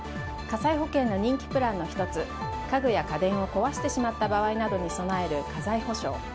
火災保険の人気プランの１つ家具や家電を壊してしまった場合などに備える家財補償。